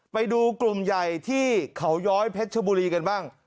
ไปดูกลุ่มใหญ่ที่เขาย้อยเพชรชบุรีกันบ้าง